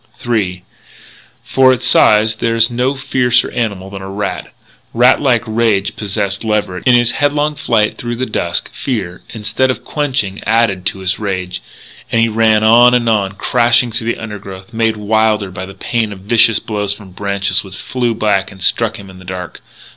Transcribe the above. III For its size there is no fiercer animal than a rat. Rat like rage possessed Leverett. In his headlong flight through the dusk, fear, instead of quenching, added to his rage; and he ran on and on, crashing through the undergrowth, made wilder by the pain of vicious blows from branches which flew back and struck him in the dark.